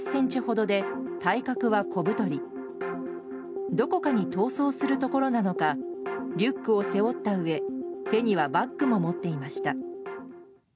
どこかに逃走するところなのかリュックを背負ったうえ手にはバッグも持っていました。